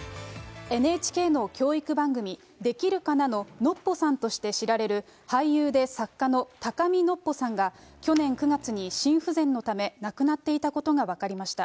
ＮＨＫの教育番組、できるかなのノッポさんとして知られる、俳優で作家の高見のっぽさんが、去年９月に心不全のため亡くなっていたことが分かりました。